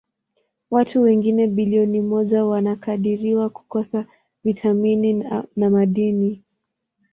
Watu wengine bilioni moja wanakadiriwa kukosa vitamini na madini.